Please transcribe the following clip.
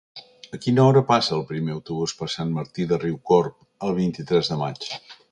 A quina hora passa el primer autobús per Sant Martí de Riucorb el vint-i-tres de maig?